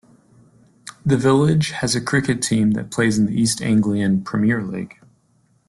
The village has a cricket team that plays in the East Anglian Premier League.